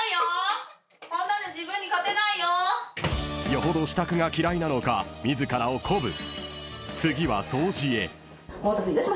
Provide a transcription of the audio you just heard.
［よほど支度が嫌いなのか自らを鼓舞］